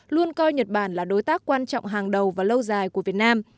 luôn coi nhật bản là đối tác quan trọng hàng đầu và lâu dài của việt nam